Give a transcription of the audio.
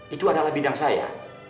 itu adalah bidang saya